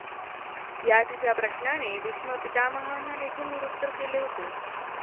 या तिच्या प्रश्नाने भीष्म पितामहांनादेखील निरुत्तर केले होते.